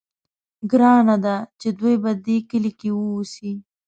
ګرانه ده چې دوی په دې کلي کې واوسي.